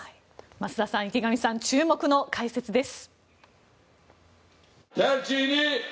増田さん、池上さん注目の解説です。